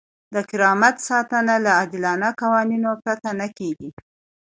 د کرامت ساتنه له عادلانه قوانینو پرته نه کیږي.